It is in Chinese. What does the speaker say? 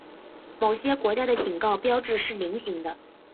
某些国家的警告标志是菱形的。